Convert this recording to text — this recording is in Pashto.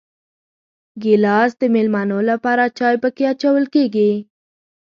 ګیلاس د مېلمنو لپاره چای پکې اچول کېږي.